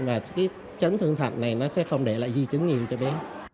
và chấn thương thận này sẽ không để lại di chấn nhiều cho bé